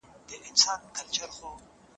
مشران به د ځوانو ورزشکارانو هڅونه کوي.